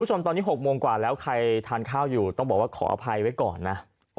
คุณผู้ชมตอนนี้๖โมงกว่าแล้วใครทานข้าวอยู่ต้องบอกว่าขออภัยไว้ก่อนนะ